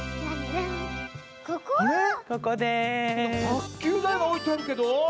たっきゅうだいがおいてあるけど。